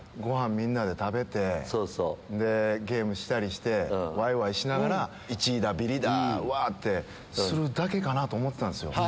みんなで食べてゲームしたりしてわいわいしながら１位だビリだ！ってするだけかと思ってたんですよ。